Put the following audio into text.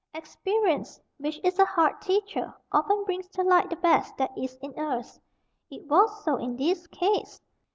Experience, which is a hard teacher, often brings to light the best that is in us. It was so in this case.